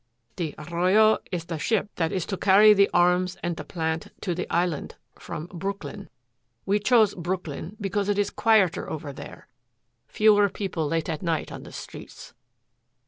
"The Arroyo is the ship that is to carry the arms and the plant to the island from Brooklyn. We choose Brooklyn because it is quieter over there fewer people late at night on the streets."